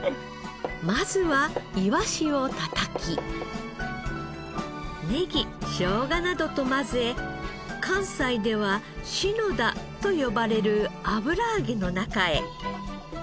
まずはいわしをたたきネギショウガなどと混ぜ関西では信田と呼ばれる油揚げの中へ。